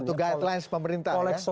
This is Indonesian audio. untuk guidelines pemerintah